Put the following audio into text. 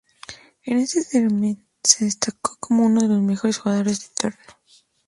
En este certamen se destacó como uno de los mejores jugadores del torneo.